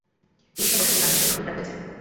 ঈর্ষাবশত তাঁর নিশ্চয়ই মাথা খারাপ হয়েছে।